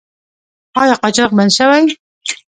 آیا قاچاق بند شوی؟